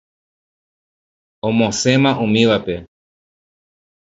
Omosẽma umívape.